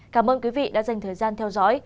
cảm ơn quý vị đã dành thời gian theo dõi